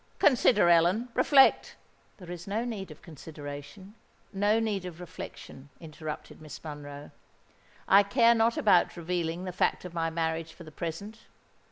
Consider, Ellen—reflect——" "There is no need of consideration—no need of reflection," interrupted Miss Monroe. "I care not about revealing the fact of my marriage for the present.